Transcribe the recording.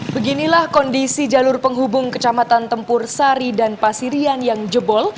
beginilah kondisi jalur penghubung kecamatan tempur sari dan pasirian yang jebol